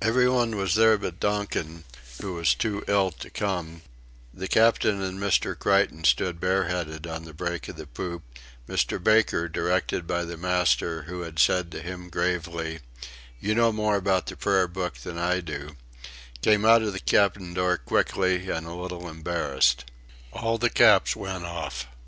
Every one was there but Donkin, who was too ill to come; the Captain and Mr. Creighton stood bareheaded on the break of the poop; Mr. Baker, directed by the master, who had said to him gravely: "You know more about the prayer book than I do," came out of the cabin door quickly and a little embarrassed. All the caps went off.